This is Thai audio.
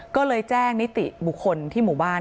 ก็เลยแจ้งนิติบุคคลที่หมู่บ้าน